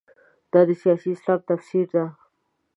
دا د سیاسي اسلام تفسیر ده.